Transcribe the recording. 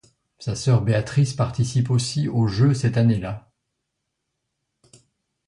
Sa sœur Béatrice participe aussi aux Jeux cette année-là.